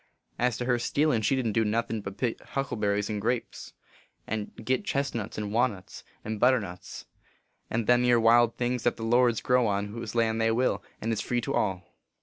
As to her stealin , she didn t do nothin but pick huckleberries and HOW TO FIGHT THE DEVIL. 197 grapes, and git chesnuts and wannuts, and butter nuts, and them ere wild things that s the Lord s, grow on whose land they will, and is free to all.